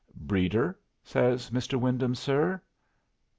"Breeder?" says "Mr. Wyndham, sir."